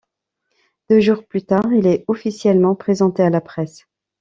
Deux jours plus tard, il est officiellement présenté à la presse.